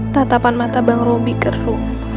tatapan mata bang robi ke rom